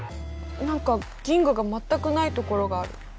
何か銀河が全くないところがある。